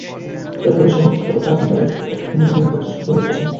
এরপরই সভাপতি পদে কারাবন্দী আরিফুল হকের পক্ষে মনোনয়নপত্র সংগ্রহের খবর প্রচার হয়।